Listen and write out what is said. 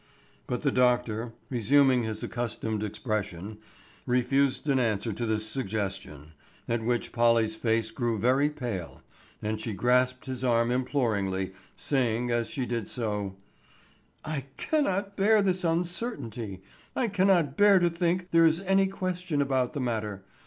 But the doctor, resuming his accustomed expression, refused an answer to this suggestion, at which Polly's face grew very pale, and she grasped his arm imploringly, saying as she did so: "I cannot bear this uncertainty, I cannot bear to think there is any question about this matter.